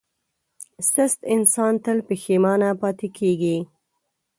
سست انسان تل پښېمانه پاتې کېږي.